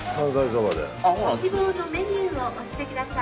機械音声）ご希望のメニューを押してください。